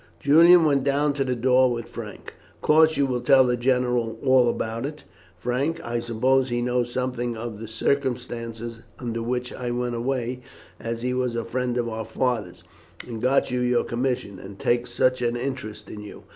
Julian went down to the door with Frank. "Of course you will tell the general all about it, Frank. I suppose he knows something of the circumstances under which I went away, as he was a friend of our father's, and got you your commission, and takes such an interest in you.